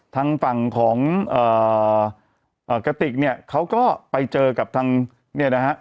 ทางฝั่งของเอ่อเอ่อกติกเนี้ยเขาก็ไปเจอกับทางเนี้ยนะฮะ